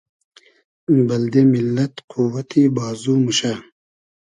بئلدې میللئد قووئتی بازو موشۂ